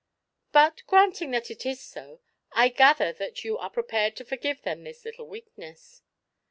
But granting that it is so, I gather that you are prepared to forgive them this little weakness?"